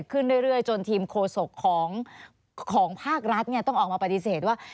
ขึ้นเรื่อยจนทีมโฆษกของภาครัฐต้องออกมาปฏิเสธว่า